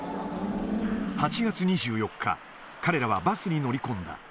８月２４日、彼らはバスに乗り込んだ。